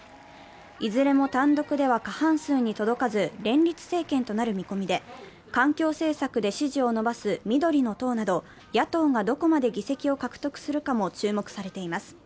いずれも単独では過半数に届かず、連立政権となる見込みで、環境政策で支持を伸ばす緑の党など野党がどこまで議席を獲得するかも注目されています。